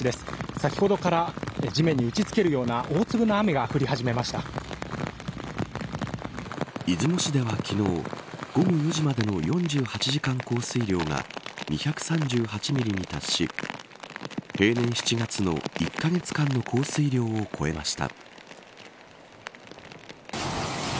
先ほどから地面に打ち付けるような出雲市では昨日午後４時までの４８時間降水量が２３８ミリに達し平年７月の１カ月間の降水量を超えました。